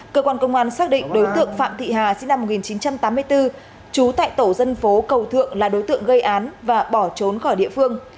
cơ quan công an xác định đối tượng phạm thị hà sinh năm một nghìn chín trăm tám mươi bốn trú tại tổ dân phố cầu thượng là đối tượng gây án và bỏ trốn khỏi địa phương